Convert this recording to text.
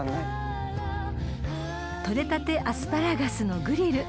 ［取れたてアスパラガスのグリル］